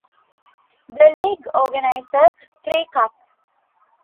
The League organises three cups.